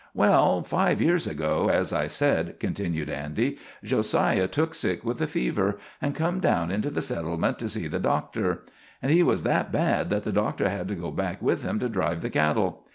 "Well, five years ago, as I said," continued Andy, "Jo siah took sick with a fever, and come down into the settlement to see the doctor; and he was that bad that the doctor had to go back with him to drive the cattle.